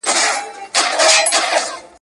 پاڼې د رحیم په خبرو باندې اعتراض وکړ.